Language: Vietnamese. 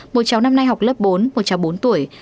một cháu năm nay học lớp bốn một cháu bốn tuổi